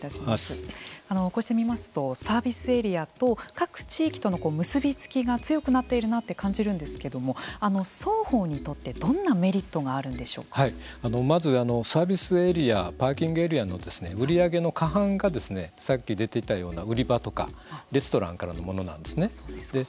こうしてみますとサービスエリアと各地域との結び付きが強くなっているなって感じるんですけれども双方にとってどんなメリットがまず、サービスエリアパーキングエリアの売り上げの過半がさっき出てたような売り場とかレストランからのものなんですね。